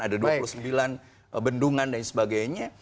ada dua puluh sembilan bendungan dan sebagainya